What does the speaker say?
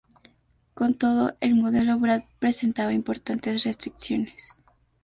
Con todo, el modelo Bratt presentaba importantes restricciones.